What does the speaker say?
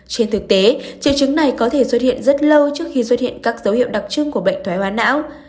trên thực tế triệu chứng này có thể xuất hiện rất lâu trước khi xuất hiện các dấu hiệu đặc trưng của bệnh thoái hóa não